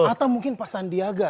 atau mungkin pak sandiaga